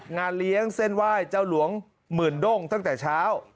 งานเลี้ยงเส้นไหว้เจ้าหลวงหมื่นด้งตั้งแต่เช้า